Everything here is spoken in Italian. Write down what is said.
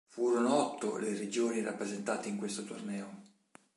Furono otto le regioni rappresentate in questo torneo.